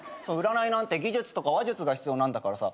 占いなんて技術とか話術が必要なんだからさ